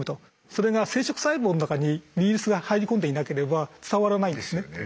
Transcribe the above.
それが生殖細胞の中にウイルスが入り込んでいなければ伝わらないんですね。